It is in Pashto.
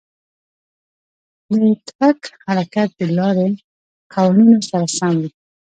د ټرک حرکت د لارې قوانینو سره سم وي.